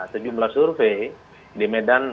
sejumlah survei di medan